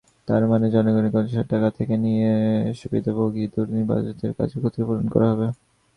তার মানে জনগণের কষ্টার্জিত টাকা থেকে নিয়ে সুবিধাভোগী-দুর্নীতিবাজদের কাজের ক্ষতিপূরণ করা হবে।